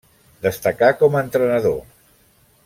Destacà com a entrenador.